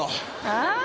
ああ？